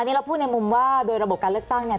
อันนี้เราพูดในมุมว่าโดยระบบการเลือกตั้งเนี่ย